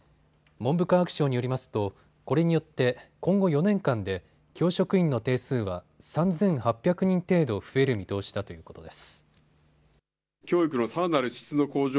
文部科学省によりますとこれによって今後４年間で教職員の定数は３８００人程度増える見通しだということです。